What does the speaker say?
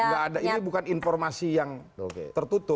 nggak ada ini bukan informasi yang tertutup